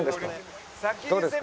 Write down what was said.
「どうですか？